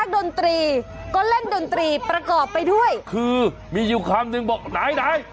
ดนตรีก็เล่นดนตรีประกอบไปด้วยคือมีอยู่คำนึงบอกไหนไหน